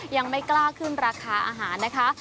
ยังไม่กล้าขึ้นราคาอาหารนะคะ